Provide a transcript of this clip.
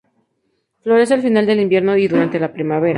Florece al final del invierno y durante la primavera.